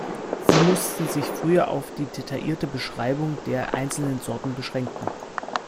Sie musste sich früher auf die detaillierte Beschreibung der einzelnen Sorten beschränken.